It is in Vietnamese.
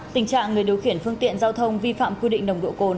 tình trạng người điều khiển phương tiện giao thông vi phạm quy định nồng độ cồn